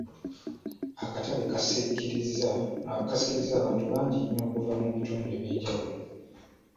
Akatale kasikiriza abantu bangi nnyo okuva mu bitundu eby'enjawulo.